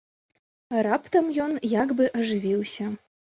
Раптам ён як бы ажывіўся.